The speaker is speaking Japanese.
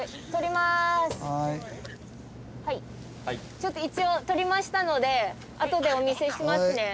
ちょっと一応撮りましたのであとでお見せしますね。